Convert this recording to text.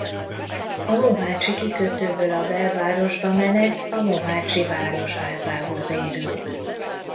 A Mohácsi kikötőből a belvárosba menet a mohácsi Városházához érünk.